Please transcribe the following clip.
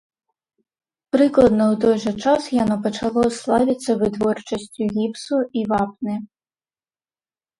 Прыкладна ў той жа час яно пачало славіцца вытворчасцю гіпсу і вапны.